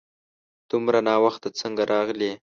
دومره ناوخته څنګه راغلې ؟